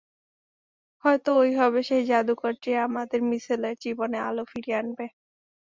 হয়তো ওই হবে সেই জাদুকর যে আমাদের মিশেলের জীবনে আলো ফিরিয়ে আনবে।